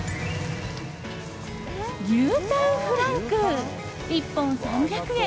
牛たんフランク、１本３００円。